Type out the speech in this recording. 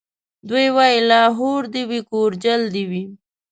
دی وايي لاهور دي وي کورجل دي وي